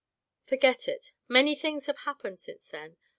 " Foi^et it. Many things have happened since then.